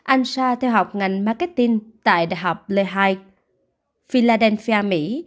anh sang theo học ngành marketing tại đại học lehigh philadelphia mỹ